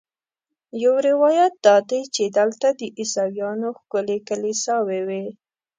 یو روایت دا دی چې دلته د عیسویانو ښکلې کلیساوې وې.